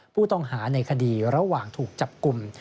ผู้ต้องหาในคดีระหว่างถูกจับกลุ่ม